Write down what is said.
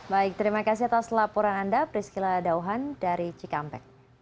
baik terima kasih atas laporan anda priscila dauhan dari cikampek